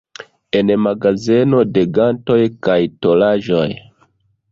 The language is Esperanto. En magazeno de gantoj kaj tolaĵoj.